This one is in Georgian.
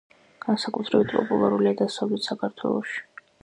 განსაკუთრებით პოპულარულია დასავლეთ საქართველოში.